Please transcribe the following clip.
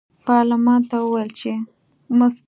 پارلمان ته وویل چې